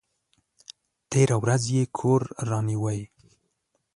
تېره ورځ یې کور رانیوی!